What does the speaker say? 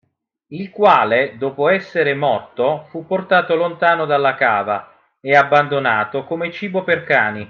Il quale dopo essere morto fu portato lontano dalla cava e abbandonato come cibo per cani.